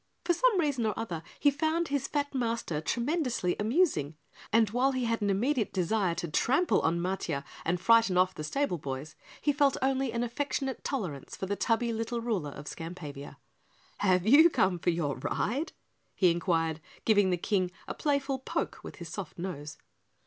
For some reason or other he found his fat master tremendously amusing, and while he had an immediate desire to trample on Matiah and frighten off the stable boys, he felt only an affectionate tolerance for the tubby little ruler of Skampavia. "Have you come for your ride?" he inquired, giving the King a playful poke with his soft nose.